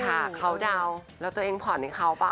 ค่ะคาวดาวน์แล้วตัวเองผ่อนในคาวน์เปล่า